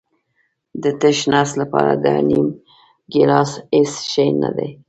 د تش نس لپاره دا نیم ګیلاس هېڅ شی نه دی.